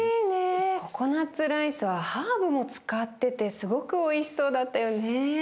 ココナツライスはハーブも使っててすごくおいしそうだったよね。